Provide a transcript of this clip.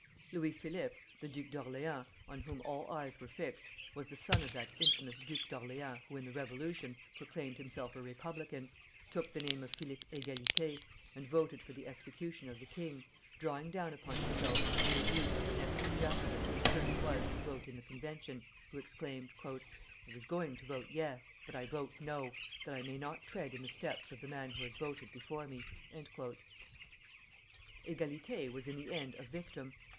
Louis Philippe, the Duke of Orleans, on whom all eyes were fixed, was the son of that infamous Duke of Orleans who in the Revolution proclaimed himself a republican, took the name of Philippe Égalité, and voted for the execution of the king, drawing down upon himself the rebuke of the next Jacobin whose turn it was to vote in the convention, who exclaimed: "I was going to vote Yes, but I vote No, that I may not tread in the steps of the man who has voted before me." Égalité was in the end a victim.